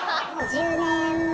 １０年前。